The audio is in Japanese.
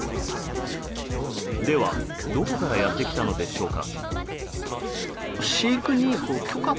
では、どこからやってきたのでしょうか。